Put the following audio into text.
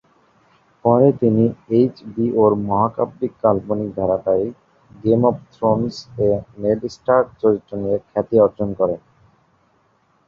পরে তিনি এইচবিওর মহাকাব্যিক কাল্পনিক ধারাবাহিক "গেম অব থ্রোনস"-এ নেড স্টার্ক চরিত্র দিয়ে খ্যাতি অর্জন করেন।